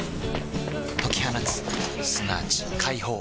解き放つすなわち解放